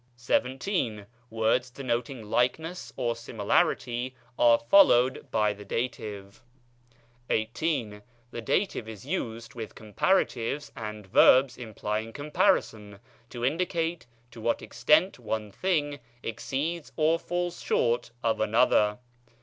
XVII. Words denoting likeness or similarity are followed by the dative. XVIII. The dative is used with comparatives and verbs implying comparison, to indicate to what extent one thing exceeds or falls short of another.